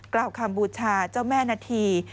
กล่าวคำบูชาเจ้าแม่นาธี